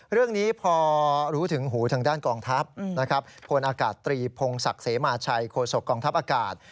เรื่องนี้พอรู้ถึงหูทางด้านกองทัพนะครับพลอากาศตรีพงศักดิ์เสมาชัยโคศกองทัพอากาศ